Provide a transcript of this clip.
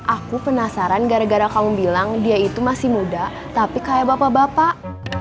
aku penasaran gara gara kamu bilang dia itu masih muda tapi kayak bapak bapak